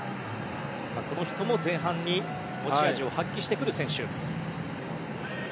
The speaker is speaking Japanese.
この人も前半に持ち味を発揮してくる選手。